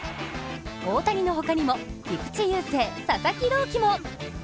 大谷のほかにも菊池雄星、佐々木朗希も。